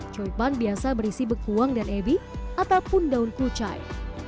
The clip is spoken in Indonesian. coipan biasa berisi bekuang dan ebi ataupun daun kucai